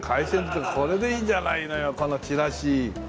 これでいいじゃないのよこのちらし。